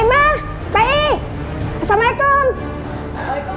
udah kali kalau aku ide gara